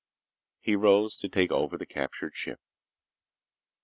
He rose, to take over the captured ship.